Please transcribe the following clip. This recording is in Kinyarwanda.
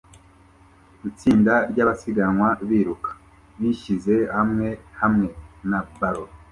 Itsinda ryabasiganwa biruka bishyize hamwe hamwe na ballon